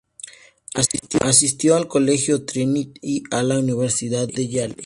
Asistió al Colegio Trinity y a la Universidad de Yale.